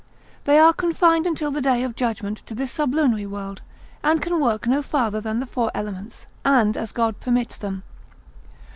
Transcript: They are confined until the day of judgment to this sublunary world, and can work no farther than the four elements, and as God permits them.